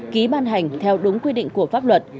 ký ban hành theo đúng quy định của pháp luật